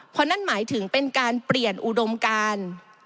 เพราะนั่นหมายถึงเป็นการเปลี่ยนอุดมการ